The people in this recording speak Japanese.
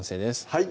はい